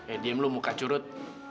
eh diam lu muka curut